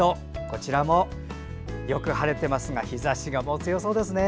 こちらもよく晴れてますが日ざしが強そうですね。